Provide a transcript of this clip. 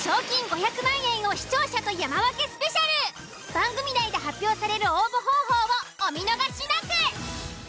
番組内で発表される応募方法をお見逃しなく！